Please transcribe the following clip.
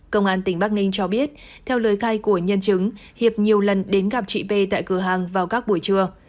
công an tỉnh bắc ninh cho biết theo lời khai của nhân chứng hiệp nhiều lần đến gặp chị p tại cửa hàng vào các buổi trưa